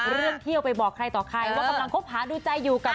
เที่ยวไปบอกใครต่อใครว่ากำลังคบหาดูใจอยู่กับ